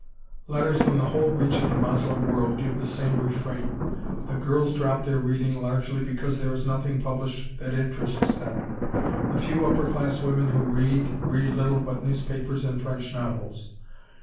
Letters from the whole reach of the Moslem world give the same refrain, the girls drop their reading largely because there is nothing published that interests them. The few upper class women who read, read little but newspapers and French novels.